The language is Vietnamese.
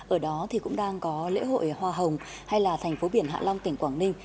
ở đó thì cũng đang có lễ hội hoa hồng hay là thành phố biển hạ long tỉnh quảng ninh